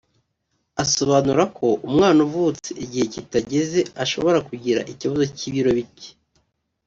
Asobanura ko umwana uvutse igihe kitageze ashobora kugira ikibazo cy’ibiro bike